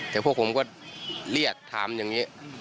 แต่พวกผมก็เรียกถามอย่างนี้